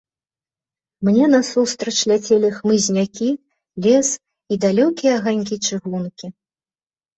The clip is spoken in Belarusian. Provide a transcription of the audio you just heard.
Мне насустрач ляцелі хмызнякі, лес і далёкія аганькі чыгункі.